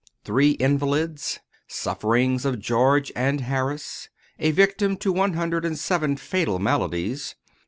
Three invalids.—Sufferings of George and Harris.—A victim to one hundred and seven fatal maladies.